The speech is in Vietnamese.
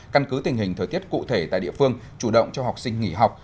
căn cứ tình hình thời tiết cụ thể tại địa phương chủ động cho học sinh nghỉ học